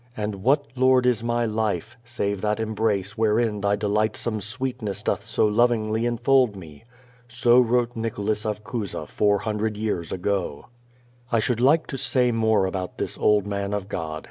And what, Lord, is my life, save that embrace wherein Thy delightsome sweetness doth so lovingly enfold me?" So wrote Nicholas of Cusa four hundred years ago. I should like to say more about this old man of God.